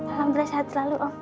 alhamdulillah sehat selalu om